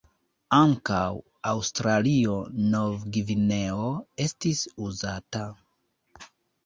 Ankaŭ "Aŭstralio-Nov-Gvineo" estis uzata.